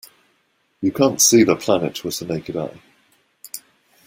You can't see the planet with the naked eye.